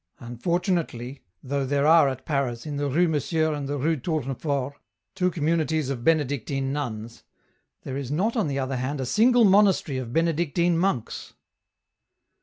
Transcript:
Unfortunately, though there are at Paris, in the Rue Monsieur and the Rue Tournefort, two communities of Benedictine nuns, there is not on the other hand a single monastery of Benedictine monks."